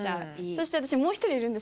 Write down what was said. そして私もう一人いるんですけど。